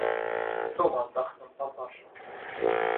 Дома отдохнем, папаша.